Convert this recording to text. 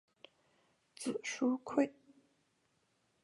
字叔胄。